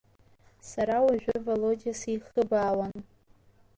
Сара уажәы Володиа сихыбаауан.